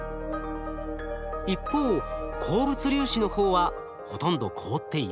一方鉱物粒子の方はほとんど凍っていません。